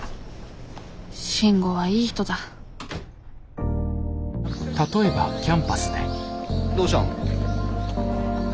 慎吾はいい人だどうしたん？